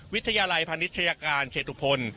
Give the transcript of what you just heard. วิทยาลัยพาณิชยาการเขตุพล